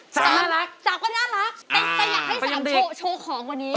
สามก็ได้อันลักสามก็ได้อันลักอ่าแต่อยากให้สามโชว์โชว์ของกว่านี้